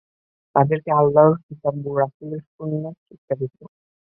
তাদেরকে আল্লাহর কিতাব ও রাসূলের সুন্নাত শিক্ষা দিব।